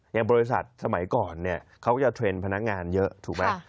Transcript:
อย่างบริษัทสมัยก่อนเนี่ยเขาก็จะเทรนด์พนักงานเยอะถูกไหม